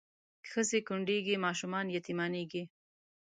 ښځې کونډېږي ماشومان یتیمانېږي